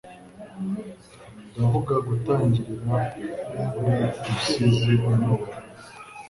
Ndavuga gutangirira kuri Umusizi unyobora